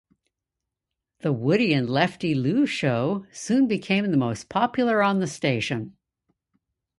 The "Woody and Lefty Lou"-Show soon became the most popular on the station.